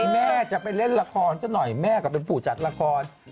แม่จะไปเล่นละครซะหน่อยแม่ก็เป็นผู้จัดละคร